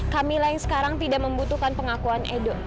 kamilah yang sekarang tidak membutuhkan pengakuan edo